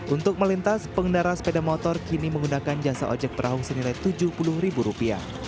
untuk melintas pengendara sepeda motor kini menggunakan jasa ojek perahu senilai rp tujuh puluh